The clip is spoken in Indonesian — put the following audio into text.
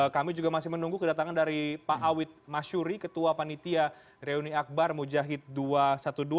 kami juga masih menunggu kedatangan dari pak awid masyuri ketua panitia reuni akbar mujahid dua ratus dua belas